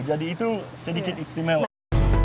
jadi itu sedikit istimewa